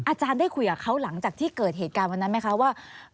อาจารย์ได้คุยกับเขาหลังจากที่เกิดเหตุการณ์วันนั้นไหมคะว่า